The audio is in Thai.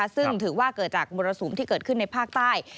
ซึ่งถือว่าเกิดจากมรสุมที่เกิดขึ้นในภาคใต้